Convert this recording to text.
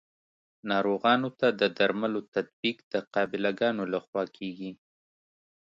ناروغانو ته د درملو تطبیق د قابله ګانو لخوا کیږي.